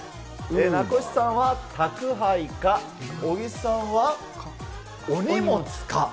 名越さんは宅配か、尾木さんはお荷物か。